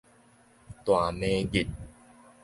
大暝日